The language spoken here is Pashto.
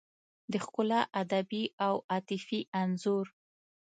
د ښکلا ادبي او عاطفي انځور